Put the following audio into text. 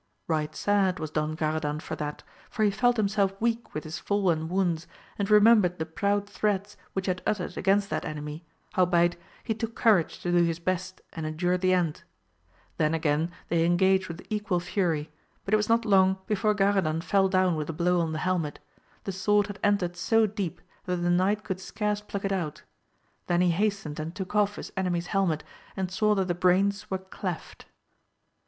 Eight sad was Don Garadan for that, for he felt him self weak with his fall and wounds, and remembered the proud threats which he had uttered against that enemy, howbeit he took courage to do his best and endure the end ; then again they engaged with equal fury, but it was not long before Garadan fell down with a blow on the helmet, the sword had entered so deep that the knight could scarce pluck it out, then he hastened and took off his enemy's helmet and saw that the brains were cleft.